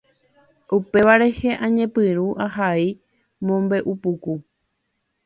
upéva rehe añepyrũ ahai mombe'upuku.